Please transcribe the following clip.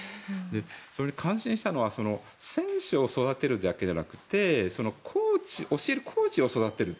それに感心したのは選手を育てるだけじゃなくて教えるコーチを育てる。